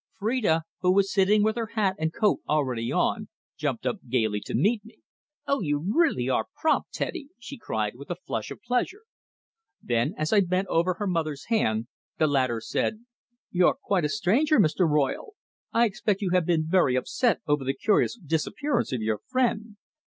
Phrida, who was sitting with her hat and coat already on, jumped up gaily to meet me. "Oh, you really are prompt, Teddy!" she cried with a flush of pleasure. Then, as I bent over her mother's hand, the latter said "You're quite a stranger, Mr. Royle. I expect you have been very upset over the curious disappearance of your friend.